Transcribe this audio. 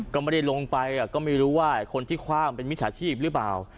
ก็ไม่ได้ลงไปก็ไม่รู้ว่าคนที่คว่างเป็นมิจฉาชีพหรือเปล่า